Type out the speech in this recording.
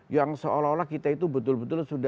yang seolah olah kita itu betul betul